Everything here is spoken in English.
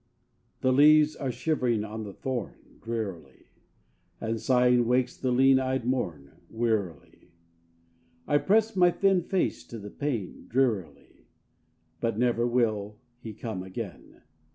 I. The leaves are shivering on the thorn, Drearily; And sighing wakes the lean eyed morn, Wearily. I press my thin face to the pane, Drearily; But never will he come again.